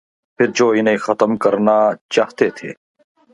پھر جو انہیں ختم کرنا چاہتے تھے۔